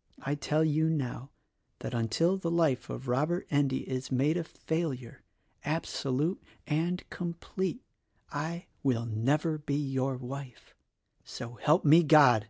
' I tell you now that until the life of Robert Endy is made a failure, abso lute and complete, I will never be your wife: So help me God!